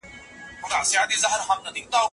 خدای به مي ورک لالئ پیدا کړي